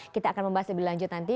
kita akan membahas lebih lanjut nanti